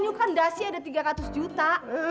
ini kan dasi ada tiga ratus juta